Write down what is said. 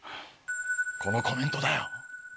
このコメントだよ。